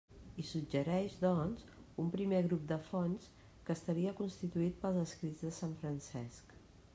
Hi suggereix, doncs, un primer grup de fonts, que estaria constituït pels escrits de sant Francesc.